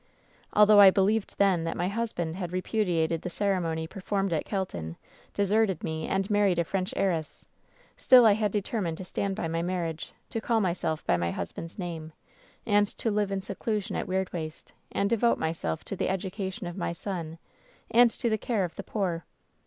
Although I believed then that my husband had re pudiated the ceremony performed at Kelton, deserted me and married a French heiress, still I had determined 2ia WHEN SHADOWS DEE to stand by my marriage, to call myself by my husband's name, and to live in seclusion at Weirdwaste and devote myself to the education of my son and to the care of the poor.